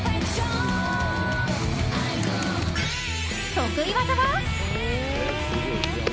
得意技は。